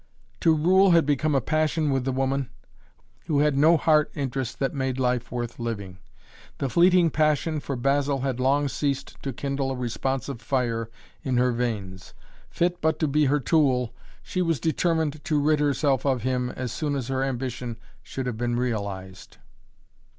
To rule had become a passion with the woman, who had no heart interest that made life worth living. The fleeting passion for Basil had long ceased to kindle a responsive fire in her veins. Fit but to be her tool, she was determined to rid herself of him as soon as her ambition should have been realized.